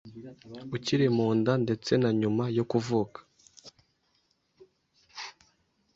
ukiri mu nda ndetse na nyuma yo kuvuka